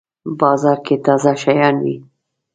بازار کی تازه شیان وی